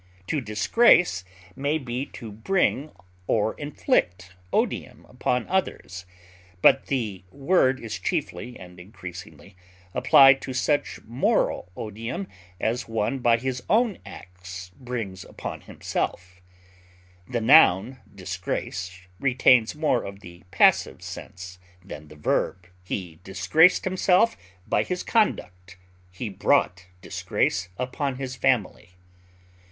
To disgrace may be to bring or inflict odium upon others, but the word is chiefly and increasingly applied to such moral odium as one by his own acts brings upon himself; the noun disgrace retains more of the passive sense than the verb; he disgraced himself by his conduct; he brought disgrace upon his family.